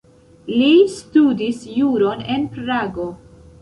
Li studis juron en Prago.